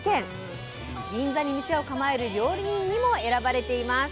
銀座に店を構える料理人にも選ばれています。